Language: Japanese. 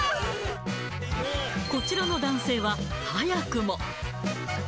こちらの男性は、早くも。